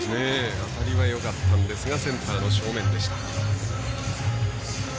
当たりはよかったんですがセンターの正面でした。